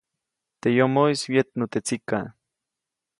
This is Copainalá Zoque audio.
Teʼ yomoʼis wyetnu teʼ tsikaʼ.